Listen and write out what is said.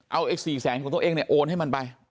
เอาเอก๔๐๐๐ของตัวเองนี่โอนให้มันไป